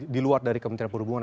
diluar dari kementerian perhubungan